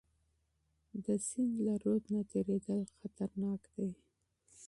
د سند له رود نه تیریدل خطرناک دي.